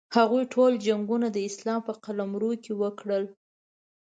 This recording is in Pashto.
هغوی ټول جنګونه د اسلام په قلمرو کې وکړل.